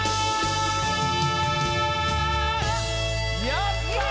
やったー。